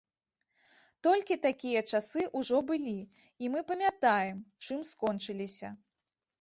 Толькі такія часы ўжо былі, і мы памятаем, чым скончыліся.